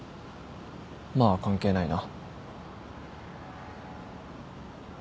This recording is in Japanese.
まあ関係ないな。